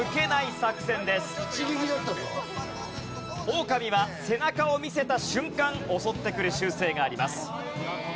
オオカミは背中を見せた瞬間襲ってくる習性があります。